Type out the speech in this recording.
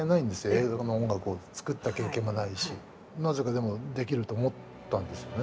映画の音楽を作った経験がないしなぜかでもできると思ったんですよね